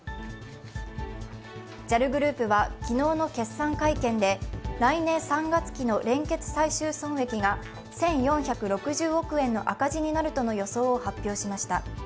ＪＡＬグループは昨日の決算会見で来年３月期の連結最終損益が１４６０億円の赤字になるとの予想を発表しました。